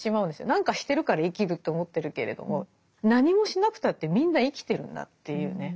何かしてるから生きると思ってるけれども何もしなくたってみんな生きてるんだっていうね。